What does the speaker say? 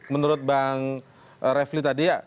menurut bang refli tadi ya